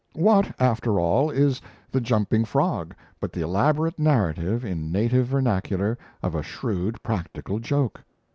What, after all, is 'The Jumping Frog' but the elaborate narrative, in native vernacular, of a shrewd practical joke?